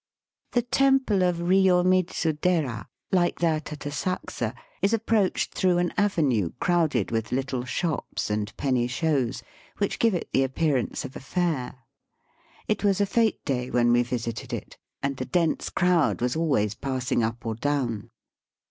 The temple of Eiyomidzu dera, like that at Asakusa, is approached through an avenue crowded with little shops and penny shows, which give it the appearance of a fair. It was a fete day when we visited it, and a dense crowd was always passing up or down.